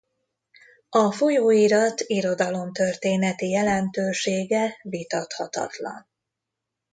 A folyóirat irodalomtörténeti jelentősége vitathatatlan.